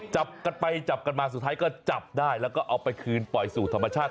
จับกันไปจับกันมาสุดท้ายก็จับได้แล้วก็เอาไปคืนปล่อยสู่ธรรมชาติ